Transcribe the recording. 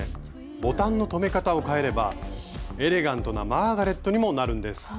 ボタンの留め方を変えればエレガントなマーガレットにもなるんです。